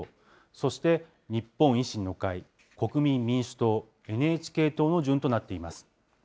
そして日本維新の会、国民民主党、ＮＨＫ党の順となっています。